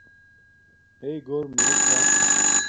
ہیݵ گھور میے چھا